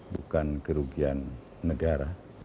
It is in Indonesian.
bukan kerugian negara